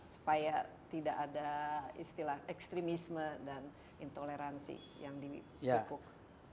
supaya tidak ada istilah ekstremisme dan intoleransi yang dipupuk